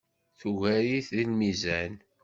Tugar-it deg lmizan.